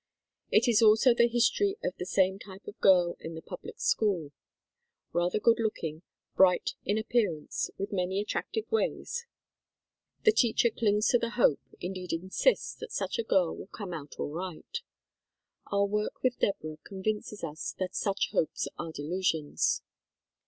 It is also the history of the same type of girl in the public school. Rather good looking, bright in appear ance, with many attractive ways, the teacher clings to 12 THE KALLIKAK FAMILY the hope, indeed insists, that such a girl will come out all right. Our work with Deborah convinces us that such hopes are delusions.